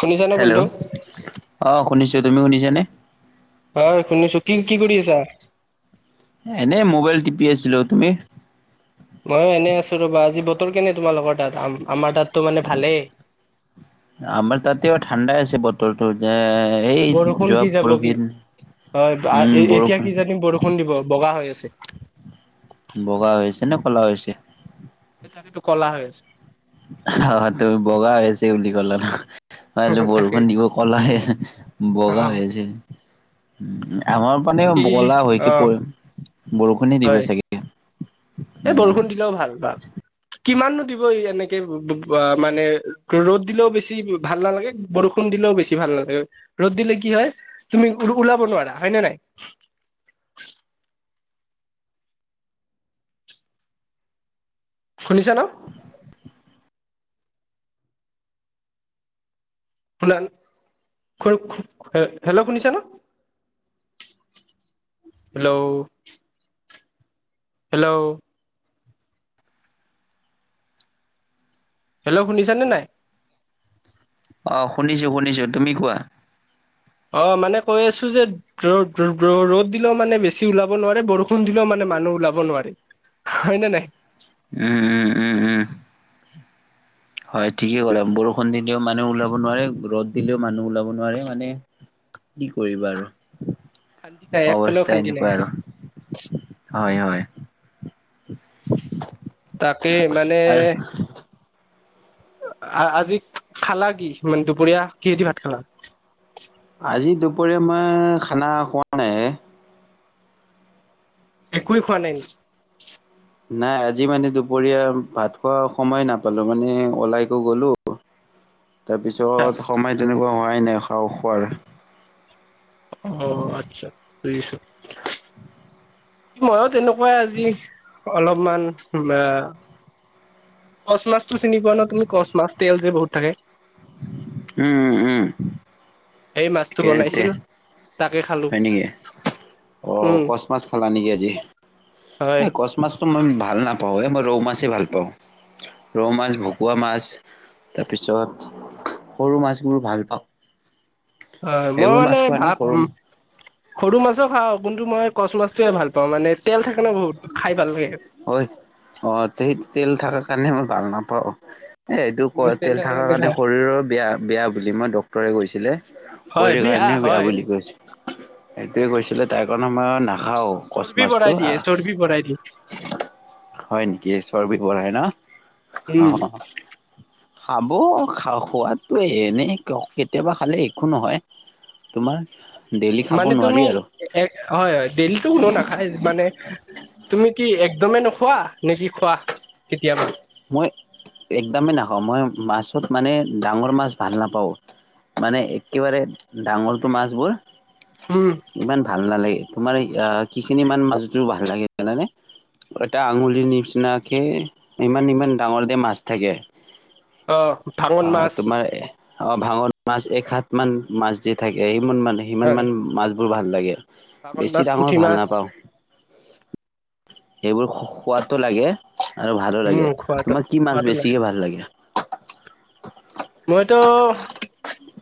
শুনিছা নে হেল্ল। বন্ধু? অ', শুনিছো তুমি শুনিছা নে? হয় শুনিছো কি কি কৰি আছা? এনেই মোবাইল টিপি আছিলো। তুমি? ময়ো এনে আছো ৰবা, আজি বতৰ কেনে তোমালোকৰ তাত? আমাৰ তাতটো মানে ভালেই। আমাৰ তাতেও ঠাণ্ডাই আছে বতৰটোৰ যে এই বৰষুণ যোৱা কি যাব কি পৰহি হয় উম এতিয়া বৰষুণ কি জানিম বৰষুণ খুণ দিব বগা হৈ আছে। বগা হৈ আছে নে ক'লা হৈ আছে? সেই তাকেটো কলা হৈ আছে। অ', তুমি বগা হৈ হৈছে বুলি কলা ন। তাকে বৰষুণ দিব ক'লা হৈ আছে বগা অ' হৈ আছে। আমাৰ পানেও বাকী বগলা হৈকে অ' পৰি বৰষুণে দিব হয়। চাগে। এই উম বৰষুণ দিলেও ভাল-ভাল। কিমাননো দিব এনেকে, মানে, ৰ'দ দিলেও বেছি ভাল নালাগে। বৰষুণ দিলেও বেছি ভাল নালাগে। ৰ'দ দিলে কি হয় তুমি ওলাব নোৱাৰা হয় নে নাই? শুনিছা ন? শুনা হেল্ল' শুনিছা ন হেল্ল। হেল্ল। হেল্ল, শুনিছা নে নাই? অ', শুনিছো-শুনিছো তুমি কোৱা? অ', মানে, কৈ আছো যে ৰ'দ-ৰ ৰ'দ দিলেও মানে, বেছি ওলাব নোৱাৰে বৰষুণ দিলেও মানে মানুহ ওলাব নোৱাৰে। হয় নে নাই? উম। উম উম উম হয় ঠিকে কলা বৰষুণ দিলেও, মানুহ ওলাব নোৱাৰে, ৰ'দ দিলেও মানুহ ওলাব নোৱাৰে মানে। কি কৰিবা আৰু শান্তি নাই একফালেও অৱস্থা শান্তি নাই এনেকুৱা আৰু। হয়, হয়। তাকে মানে আৰু আজি খালা কি? মানে, দুপৰীয়া কিহেদি ভাত খালা? আজি দুপৰীয়া মই খানা খোৱা নাই। একোৱেই খোৱা নাই নেকি? নাই আজি মানে দুপৰীয়া ভাত খোৱা সময় নাপালোঁ মানে ওলাইকো গ'লোঁ। তাৰপিছত সময় তেনেকুৱা হোৱাই নাই খাহ খোৱাৰ। অ' আচ্ছা বুজিছো। মইো তেনেকুৱাই আজি অলপমান আহ কচ মাছটো চিনি পোৱা নে তুমি কচ মাছ তেল যে বহুত থাকে। উম, উম, উম। সেই মাছটো ঠিকে তে বনাইছিল। তাকে খালো হয় নেকি। অ' উম কচ মাছ খালা নেকি আজি হয় কচ কচ মাছটো মই ভাল নাপাওঁ। এই মই ৰৌ মাছেই ভাল পাওঁ ৰৌ মাছ, ভকুৱা মাছ, তাৰপিছত সৰু মাছবোৰ ভাল পাওঁ। হয়, মই সেইবোৰ মাছ মানে খোৱা নে ভাত সৰু সৰু মাছো খাওঁ। কিন্তু মই কচ মাছটোৱে ভাল পাওঁ মানে তেল থাকে ন বহুত খাই ভাল লাগে। হয় অ' তেত তেল থাকা কাৰণে মই ভাল নাপাওঁ। এ এইটো ক মই তেল থকাৰ থাকা কাৰণে খাই শৰীৰৰ বেয়া বেয়া বুলি মই ডক্তৰে কৈছিলে। হয় শৰীৰ কাৰণেও বেয়া হয় বুলি কৈছে। সেইটোয়ে কৈছিলে তাই কাৰণে সময় নাখাওঁ কচ মাছটো আহ পি বনাই দি হয় নেকি চবি বনাই ন অ। উম খাব খা খোৱাদটো এনেই ক কেতিয়াবা খালে একো নহয়। তোমাৰ ডেইলি খাব মানে নোৱাৰি তুমি আৰু হয়, হয়। ডেইলি কোনো নাখায় মানে তুমি কি একদমে নোখোৱা, নেকি খোৱা কেতিয়াবা। মই একদমেই নাখাওঁ। মই মাছৰ মানে ডাঙৰ মাছ ভাল নাপাওঁ। মানে একেবাৰে ডাঙৰটো মাছবোৰ উম ইমান ভাল নালাগে। তোমাৰ কি খিনি মান মাজত ভাল লাগে জানানে। এটা আঙুলিৰ নিচিনাকে ইমান ইমান ডাঙৰতে মাছ থাকে অ ভাঙন মাছ তোমাৰ। অ' ভাঙন মাছ এক সাত মান মাছ দি থাকে সিমান মান অ সিমান মান মাছ বোৰ ভাল লাগে। ভাঙন মাছ বেছি পুঠি ডাঙৰ ভাল মাছ নাপাওঁ। সেইবোৰ সোৱাদো লাগে আৰু ভালো উম লাগে। খোৱাটো তোমাক কি মাছ খোৱাটো লাগে বেছিকে ভাল লাগে। মইতো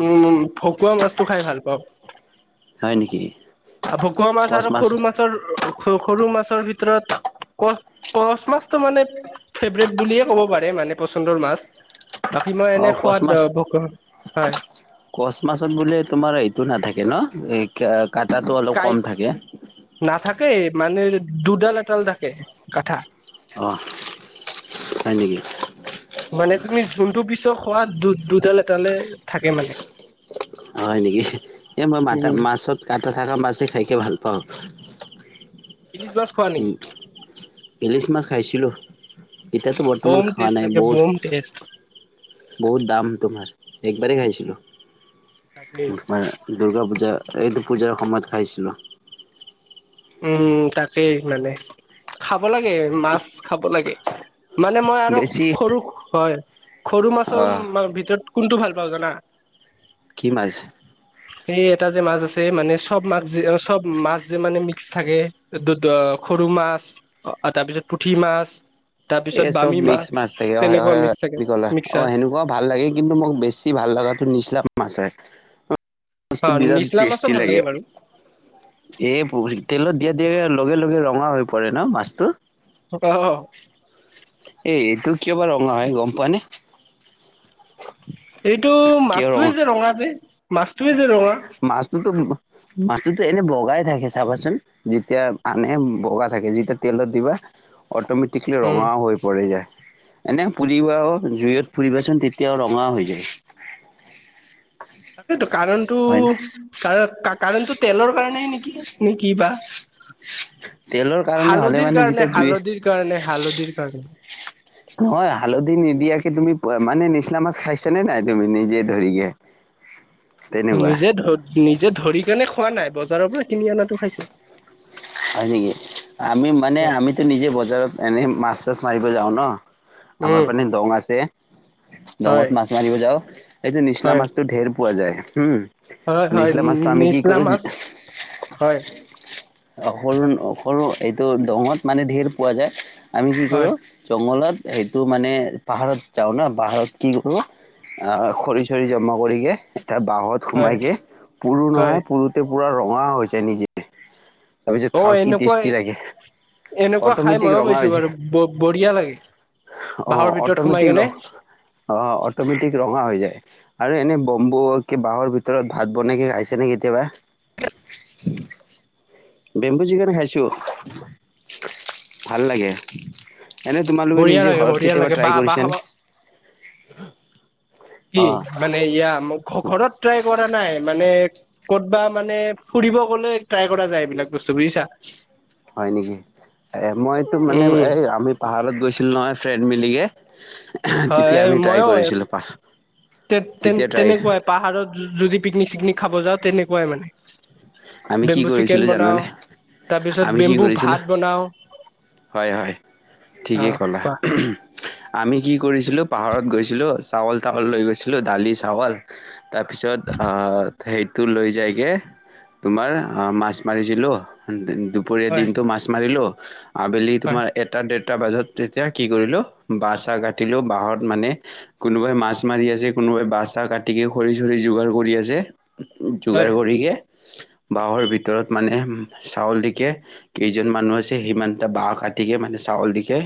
উম ভকুৱা মাছ টো খাই ভাল পাওঁ। হয় নেকি। ভকুৱা মাছ আৰু সৰু মাছৰ সৰু মাছৰ ভিতৰত কচ কচ মাছটো মানে ফেভৰেট বুলিয়ে ক'ব পাৰে মানে পচন্দৰ মাছ। বাকী মই অ এনে কচ সোৱাদ মাছ ভোগ হয়। কচ মাছত বুলে তোমাৰ এইটো নাথাকে ন কাটাটো অলপ কাঁইট কম থাকে। নাথাকে মানে দুডাল এডাল থাকে কাঠা। অ' হয় নেকি। মানে তুমি যোনটো পিছৰ খোৱা দুডাল এডালে থাকে মানে হয় নেকি এ মই মাত উম মাছত কাটা থাকা মাছে খাইকে ভাল পাওঁ। ইলিছ মাছ খোৱা নেকি উম ইলিচ মাছ খাইছিলো। এতিয়াতো বৰ্তমান বম খোৱা টেষ্ট নাই ব লাগে বম টেষ্ট বহুত দাম তোমাৰ একবাৰেই খাইছিলো। তাকেই দুৰ্গা পূজা এইটো পূজাৰ সময়ত খাইছিলোঁ। উম তাকেই মানে খাব লাগে মাছ। খাব লাগে মানে মই আৰু বেছি সৰু হয় সৰু মাছৰ অহ ভিতৰত কোনটো ভাল পাওঁ জানা? কি মাৰিছে? সেই এটা যে মাছ আছে মানে চব মাছ যে চব মাছ যে মানে থাকে সৰু মাছ তাৰপিছত পুঠি মাছ। তাৰপিছত এই চব বামী মিক্স মাছ থাকে অ' তেনেকুৱা মিক্স থাকে হয় কলা মিক্সাৰ অ' সেনেকুৱা ভাল লাগে কিন্তু মোক বেছি ভাল লগাটো নিচলাম মাছে। অ বস্তু বিৰাট নিচলা মাছো টেষ্টি ভাল লাগে। বাৰু এই তেলত দিয়া দিয়া লগে লগে ৰঙা হৈ পৰে ন মাছটো। অ'। এ এইটো কিয় বা ৰঙা হয় গম পোৱানে? এইটো মাছটোৱে যে ৰঙা যে। মাছটোৱে যে ৰঙা মাছটোতো মাছটোতো এনে বগাই থাকে চাবাচোন। যেতিয়া আনে বগা থাকে যেতিয়া তেলত দিবা অট'মেটিকলি উম ৰঙা হৈ পৰি যায়। এনে পুৰিবা আৰু জুইত পুৰিবাচোন তেতিয়া ৰঙা হৈ যায়। তাকেইটো কাৰণ্টো হয় না? কাৰ কাৰাণ্টো তেলৰ কাৰণে নেকি নেকি বা। তেলৰ কাৰণে হ'লে হালধিৰ মানে যেতিয়া কাৰণে, জুই হালধিৰ কাৰণে, হালধিৰ কাৰণে। নহয় হালধি নিদিয়াকে তুমি মানে নিচিনা মাছ খাইছ নে নাই তুমি নিজে ধৰিকে। তেনেকুৱা নিজে ধ নিজে ধৰি কেনে খোৱা নাই বজাৰৰ পৰা কিনি অনাটো খাইছো। হয় নেকি আমি মানে হয় আমিতো নিজে বজাৰত এনে মাছ চাছ মাৰিব যাওঁ ন। আমাৰ উম মানে দং আছে। হয় দমত মাছ মাৰিব যাওঁ এইটো নিচলা হয় মাছতো ঢেৰ পোৱা যায় হয় হম। হয় নিছিলা মাছটো আমি কি নিচলা কৰো? মাছ হয়। সৰু সৰু এইটো দঙত মানে ধেৰ পোৱা যায় আমি কি হয় কৰোঁ। জংঘলত সেইটো মানে পাহাৰত যাওঁ ন পাহাৰত কি কৰো। অ' খৰি চৰি জমা কৰিকে এতিয়া বাঁহত হয় সোমাই কে পুৰু হয় নহয় পৰুতে পুৰা ৰঙা হৈছে নিজে। তাৰপিছত খাওঁ অ' কি এনেকুৱাই টেষ্টি লাগে এনেকুৱা খাই অট'মেটিক মা ৰঙা হৈ পাইছো যায় বাৰু বঢ়িয়া লাগে। অ বাঁহৰ ভিতৰত সোমাই অট'মেটিক ৰ কিনে। অ' অট'মেটিক ৰঙা হৈ যায়। আৰু এনে বম্বু বাঁহৰ ভিতৰত ভাত বনাইকে খাইছেনে কেতিয়াবা? বেম্বু চিকেন খাইছোঁ ভাল লাগে। এনে তোমালোকে বঢ়িয়া নিজে লাগে ঘৰত বঢ়িয়া কেতিয়াবা লাগে ট্ৰাই বাহ বাহ কৰিছে নে। কি অ মানে ইয়া ঘৰত ট্ৰাই কৰা নাই মানে। ক'তবা মানে ফুৰিব গ'লে ট্ৰাই কৰা যায় এইবিলাক বস্তু বুজিছা। হয় নেকি মইতো মানে উম এই আমি পাহাৰত গৈছিল নহয় ফ্ৰেণ্ড মিলিকে। হয়, তেতিয়া এই আমি ট্ৰাই মইয়ো কৰিছিলো পাহ তে, তে, তেতিয়া ট্ৰাই তেনেকুৱাই পাহাৰত যদি পিকনিক, চিকনিক খাব যাওঁ তেনেকুৱাই মানে। আমি কি বেম্বু চিকেন কৰিছিলো বনাও, জানানে? তাৰপিছত আমি কি বেম্বু কৰিছিলো ভাত বনাও। হয়, হয় অ ঠিকেই ক'লা। কোৱা আমি কি কৰিছিলোঁ, পাহাৰত গৈছিলোঁ, চাউল তউল লৈ গৈছিলোঁ, দালি, চাউল। তাৰপিছত আহ, সেইটো লৈ যায় গে তোমাৰ মাছ মাৰিছিলোঁ, দুপৰীয়া হয় দিনটো মাছ মাৰিলোঁ। আবেলি হয় তোমাৰ এটা, ডেৰটা বজাত তেতিয়া কি কৰিলোঁ বা-চা কাটিলোঁ বাঁহত মানে কোনোবাই মাছ মাৰি আছে, কোনোবাই বা-চা কাটিকে খৰি, চৰি যোগাৰ কৰি আছে। যোগাৰ হয় কৰিকে, বাহৰ ভিতৰত মানে চাউল ডিকে কেইজন মানুহ আছে, সেই মানুহতো বাঁহ কাটিকে মানে চাউল দিকে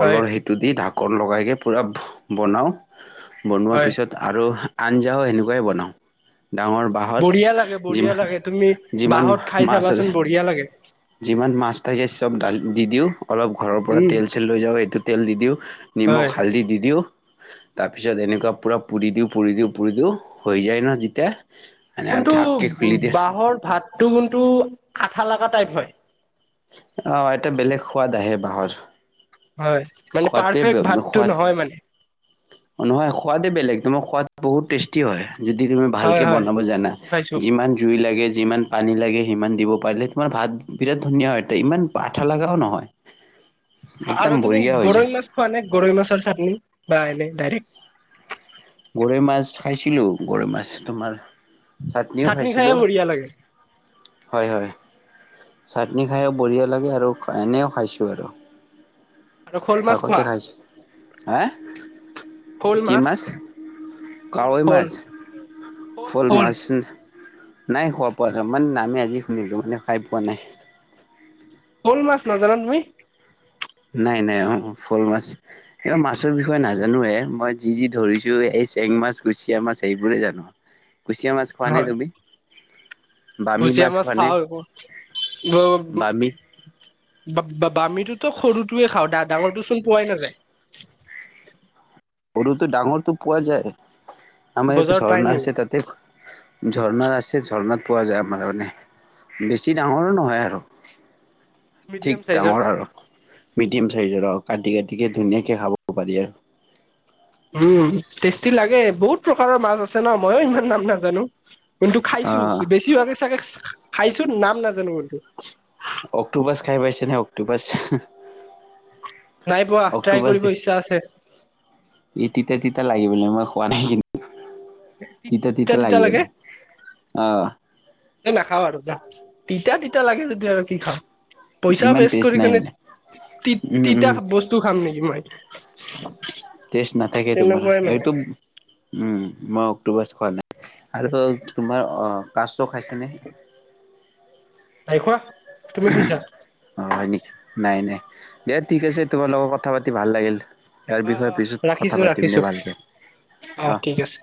হয় সেইটো দি ঢাকন লগাইকৈ পূৰা বনাওঁ, বনোৱাৰ হয় পিছত আৰু আঞ্জাও সেনেকুৱাই বনাওঁ, ডাঙৰ বা বঢ়িয়া লাগে, বঢ়িয়া লাগে তুমি যিমান বাঁহত খাই মাছ চাবাচোন আছে বঢ়িয়া লাগে। যিমান মাছ থাকে চব দালিত দি দিওঁ, অলপ ঘৰৰ পৰা উম তেল চেল লৈ যাওঁ এইটো তেল দি দিওঁ হয় নিমখ, হালধি দি দিওঁ তাৰপিছত এনেকুৱা পুৰা পুৰি দিওঁ পুৰি দিওঁ পুৰি দিওঁ হৈ যায় ন যেতিয়া এনে কিন্তু ঢাককে খুলি দিয়ে বাহঁৰ ভাতটো কিন্তু আঠা লগা টাইপ হয়। অ' এটা বেলেগ সোৱাদ আহে বাঁহৰ। হয়, মানে সোৱাদে পাৰফেক্ট ভাতটো সোৱাদ নহয় মানে। নহয়, সোৱাদেই বেলেগ তোমাৰ সোৱাদ বহুত টেষ্টি হয়। যদি তুমি হয় ভালকে হয় বনাব জানা, খাইছো খাইছো যিমান জুই লাগে যিমান পানী লাগে সিমান দিব পাৰিলে তোমাৰ ভাত বিৰাট ধুনীয়া হয়। ইমান আঠা লগাওঁ নহয়। একদম আৰু তুমি বঢ়িয়া হৈ যায় গৰৈ মাছ খোৱা নে? গৰৈ মাছৰ চাটনি বা এনেই ডাইৰেক্ট গৰৈ মাছ খাইছিলো, গৰৈ মাছ তোমাৰ চাটনিও চাটনি খাইে খাইছিলো বঢ়িয়া লাগে হয় হয় চাটনি খায়ো বঢ়িয়া লাগে, আৰু এনেও খাইছোঁ বাৰু। আৰু শ'ল মাছ আগতে খোৱা খাইচো, হা'? শ'ল কি মাছ? শ'ল কাৱৈ শ'ল মাছ, শ'ল মাছ নাই খোৱা পোৱা নাই, মানে নামে আজি শুনিলোঁ মানে খাই পোৱা নাই। শ'ল মাছ নাজানা তুমি? নাই নাই, অ' শ'ল মাছ এই মাছৰ বিষয়ে নাজানোয়ে, মই যি যি ধৰিছো এই চেং মাছ, কুচিয়া মাছ, সেইবোৰে জানো। কুচিয়া মাছ খোৱা নে হয় তুমি? বামি কুচিয়া মাছ খোৱা নে খাওঁ ব ব বু বামি বু বা-বামিটোতো সৰুটোৱে খাওঁ, ডা-ডাঙৰটো চোন পোৱাই নাযায়। সৰুটো ডাঙৰটো পোৱা যায়, আমাৰ ইয়াতে বজাৰত পাই ঝৰ্ণা নেকি আছে তাতে। তে ঝৰ্ণাত আছে, ঝৰ্ণাত পোৱা যায় আমাৰ মানে। বেছি ডাঙৰো নহয় আৰু। ঠিক মিডিয়াম চাইজৰ ডাঙৰ আৰু, মিডিয়াম চাইজৰ আৰু কাটি কাটিকে ধুনীয়াকে খাব পাৰি আৰু। উম, টেষ্টি লাগে, বহুত প্ৰকাৰৰ মাছ আছে ন ময়ো ইমান নাম নাজানো। কিন্তু অ খাইছো, বেছিভাগে চাগে খাইছো, নাম নাজানো কিন্তু। অক্টোপাচ খাই পাইছে নে অক্টোপাচ? নাই পোৱা, ট্ৰাই কৰিব ইচ্ছা আছে। এই তিতা তিতা লাগে বোলে, মই খোৱা নাই কিন্তু। তিতা তিতা লাগে বোলে, অ'। এই নাখাওঁ আৰু যা, তিতা তিতা লাগে যদি আৰু কি খাম। পইচা ইমান ৱেষ্ট টেষ্ট কৰি নাই কিনে মানে তি উম উম তিতা বস্তু স্তু খাম নেকি মই? টেষ্ট নাথাকে তোমাৰ, তেনেকুৱাই মানে এইটো উম' মই অক্টোপাছ খোৱা নাই। আৰু তোমাৰ অ' কাছ খাইছেনে? নাই খোৱা। তুমি খাইছা [unintelligible] হয়, হয় নেকি নাই-নাই দিয়া ঠিক আছে, তোমাৰ লগত কথা পাতি ভাল লাগিল। ইয়াৰ অ বিষয়ে অ পিছত কথা ৰাখিছো পাতিম ৰাখিছো দিয়া ভালকৈ অ অহ'। ঠিক আছে